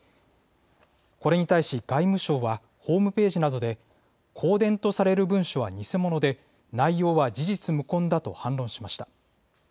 これに対し、外務省はホームページなどで、公電とされる文書は偽物で、内容は事実無根だと反論しました。